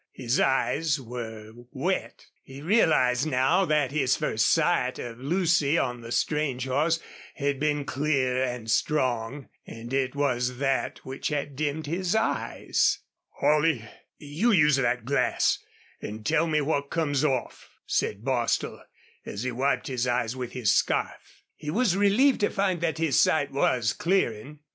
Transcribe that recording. His eyes were wet. He realized now that his first sight of Lucy on the strange horse had been clear and strong, and it was that which had dimmed his eyes. "Holley, you use the glass an' tell me what comes off," said Bostil, as he wiped his eyes with his scarf. He was relieved to find that his sight was clearing.